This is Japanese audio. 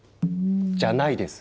じゃないです。